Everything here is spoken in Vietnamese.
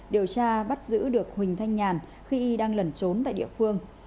điều tra bắt giữ được huỳnh thanh nhàn khi y đang lẩn trốn tại địa phương